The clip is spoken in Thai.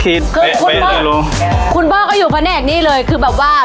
คือแบบว่าโรตีสายใหม่อย